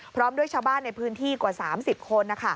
พร้อมด้วยชาวบ้านในพื้นที่กว่า๓๐คน